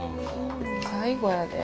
最後やで。